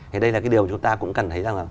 thì đây là cái điều chúng ta cũng cần thấy rằng là